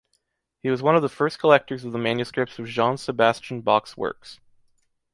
He was one of the first collectors of the manuscripts of Jean-Sébastien Bach’s works.